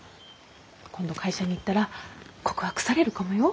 今度会社に行ったら告白されるかもよ？